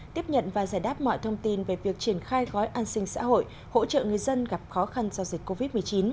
tiếp nhận và giải đáp mọi thông tin về việc triển khai gói an sinh xã hội hỗ trợ người dân gặp khó khăn do dịch covid một mươi chín